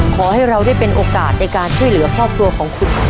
ขอให้เราได้เป็นโอกาสในการช่วยเหลือครอบครัวของคุณ